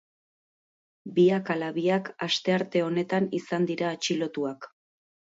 Biak ala biak astearte honetan izan dira atxilotuak.